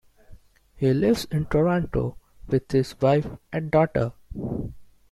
He lives in Toronto with his wife and daughter.